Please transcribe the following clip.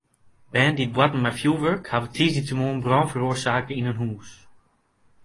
Bern dy't boarten mei fjoerwurk hawwe tiisdeitemoarn brân feroarsake yn in hús.